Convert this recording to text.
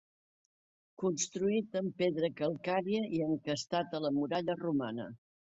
Construït amb pedra calcària i encastat a la muralla romana.